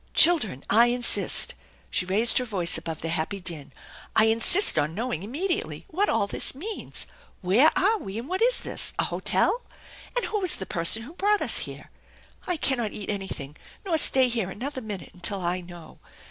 " Children, I insist/' she raised her voice above the happy din. " I insist on knowing immediately what all this means. Where are we, and what is this ? A hotel ? And who was the person who brought us here ? I cannot eat anything nor stay here another minute until I know.